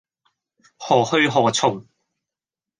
何去何從